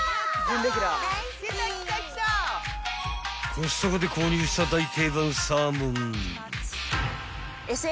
［コストコで購入した大定番サーモン］